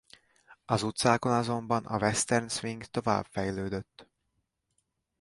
Az utcákon azonban a Western Swing tovább fejlődött.